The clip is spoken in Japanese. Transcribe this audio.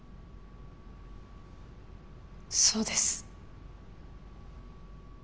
そうです。